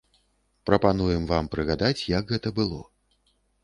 Прапануем вам прыгадаць, як гэта было.